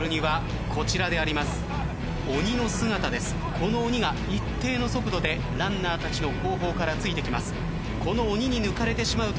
この鬼が一定の速度でランナーたちの後方からついてきます。